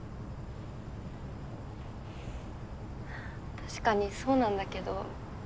確かにそうなんだけど。